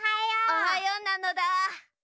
おはようなのだ。